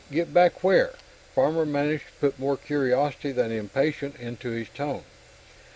Get back where?" Farmer managed to put more curiosity than impatience into his tone.